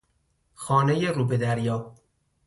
خانهی رو به دریا